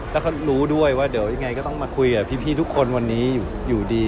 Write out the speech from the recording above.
แล้วก็รู้ด้วยว่าเดี๋ยวยังไงก็ต้องมาคุยกับพี่ทุกคนวันนี้อยู่ดี